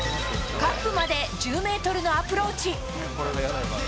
カップまで１０メートルのアプローチ。